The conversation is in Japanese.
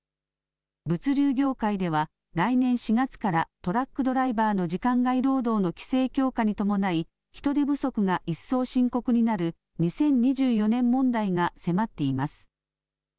物流業界では来年４月からトラックドライバーの時間外労働の規制強化に伴い人手不足が一層深刻になる２０２４年問題が迫っています。